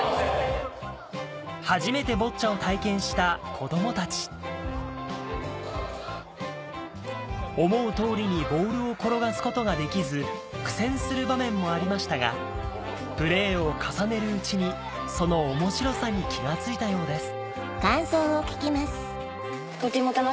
・初めてボッチャを体験した子供たち思う通りにボールを転がすことができず苦戦する場面もありましたがプレーを重ねるうちにその面白さに気が付いたようです